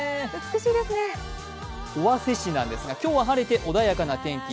尾鷲市なんですが、今日は晴れて穏やかな天気。